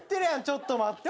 ちょっと待って。